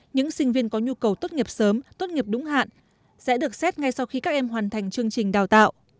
những sinh viên có nhu cầu tốt nghiệp sớm tốt nghiệp đúng hạn sẽ được xét ngay sau khi các em hoàn thành chương trình đào tạo